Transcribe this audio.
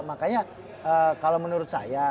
makanya kalau menurut saya